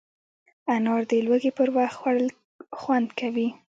انار د لوږې پر وخت خوړل خوند کوي.